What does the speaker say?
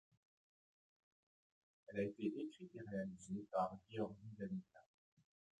Elle a été écrite et réalisée par Gueorgui Danielia.